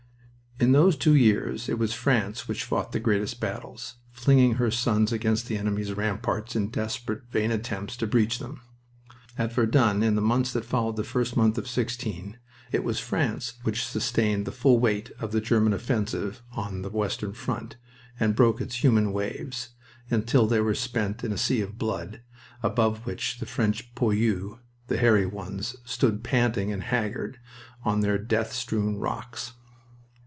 In those two years it was France which fought the greatest battles, flinging her sons against the enemy's ramparts in desperate, vain attempts to breach them. At Verdun, in the months that followed the first month of '16, it was France which sustained the full weight of the German offensive on the western front and broke its human waves, until they were spent in a sea of blood, above which the French poilus, the "hairy ones," stood panting and haggard, on their death strewn rocks.